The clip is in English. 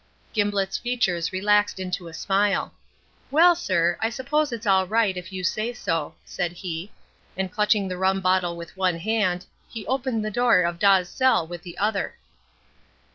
Gimblett's features relaxed into a smile. "Well, sir, I suppose it's all right, if you say so," said he. And clutching the rum bottle with one hand, he opened the door of Dawes's cell with the other.